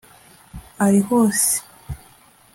ari hose